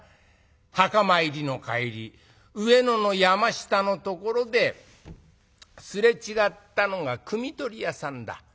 墓参りの帰り上野の山下のところで擦れ違ったのがくみ取り屋さんだ。